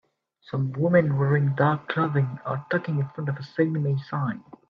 Some women wearing dark clothing are talking in front of a Sallie Mae sign.